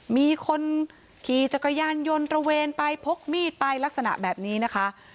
มีคนขี่จักรยานยนต์ตระเวนไปพกมีดไปลักษณะแบบนี้นะคะ